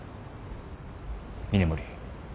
峰森。